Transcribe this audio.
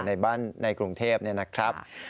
ในบ้านกรุงเทพ